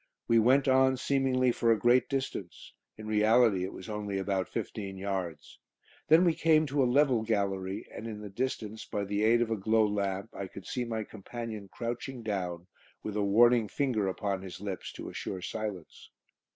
We went on, seemingly for a great distance; in reality it was only about fifteen yards. Then we came to a level gallery, and in the distance, by the aid of a glow lamp, I could see my companion crouching down, with a warning finger upon his lips to assure silence.